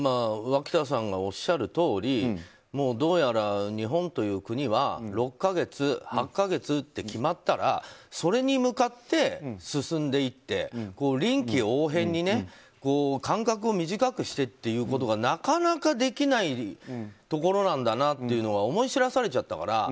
脇田さんがおっしゃるとおりどうやら日本という国は６か月、８か月と決まったらそれに向かって進んでいって臨機応変に間隔を短くしてっていうことがなかなかできないところなんだなというのを思い知らされちゃったから。